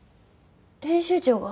編集長が？